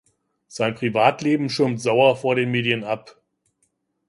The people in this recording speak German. Sein Privatleben schirmt Sauer vor den Medien ab.